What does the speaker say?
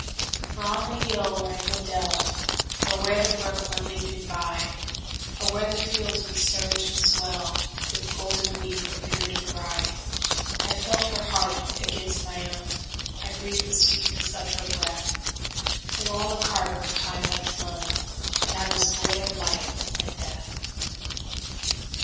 For on the hill or in the dell, Or where the brook went leaping byOr where the fields would surge and swellWith golden wheat or bearded rye,I felt her heart against my own,I breathed the sweetness of her breath, Till all the cark of time had flown, And I was lord of life and death.